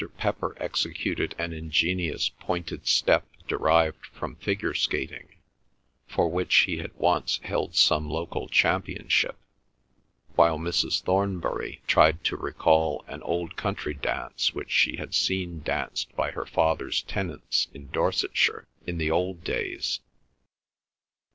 Pepper executed an ingenious pointed step derived from figure skating, for which he once held some local championship; while Mrs. Thornbury tried to recall an old country dance which she had seen danced by her father's tenants in Dorsetshire in the old days.